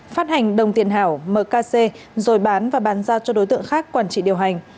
phát hành đồng tiền hảo mkc rồi bán và bán giao cho đối tượng khác quản trị điều hành